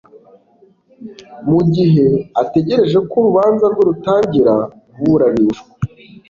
mu gihe ategereje ko urubanza rwe rutangira kuburanishwa